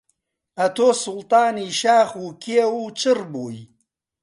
ئەتۆ سوڵتانی شاخ و کێو و چڕ بووی